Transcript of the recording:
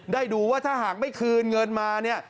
ดูว่าถ้าหากไม่คืนเงินมาเนี่ย